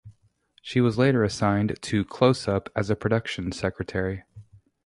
She was later assigned to "Close Up" as a production secretary.